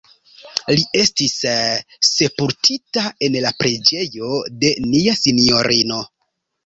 Li estis sepultita en la Preĝejo de Nia Sinjorino.